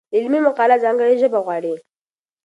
علمي مقاله ځانګړې ژبه غواړي.